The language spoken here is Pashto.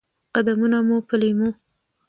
قدمونه مو په لېمو،